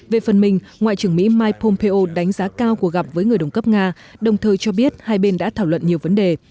về phần mình ngoại trưởng mỹ mike pompeo đánh giá cao cuộc gặp với người đồng cấp nga đồng thời cho biết hai bên đã thảo luận nhiều vấn đề